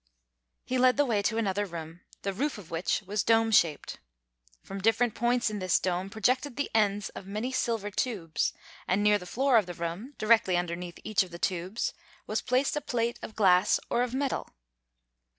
He led the way to another room, the roof of which was dome shaped. From different points in this dome projected the ends of many silver tubes, and near the floor of the room, directly underneath each of the tubes, was placed a plate of glass or of metal.